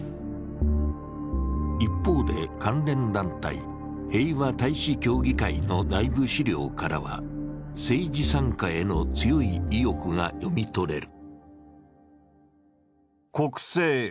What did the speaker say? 一方で、関連団体、平和大使協議会の内部資料からは、政治参加への強い意欲が読み取れる。